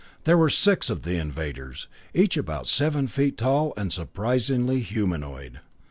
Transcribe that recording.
There were six of the invaders, each about seven feet tall, and surprisingly humanoid.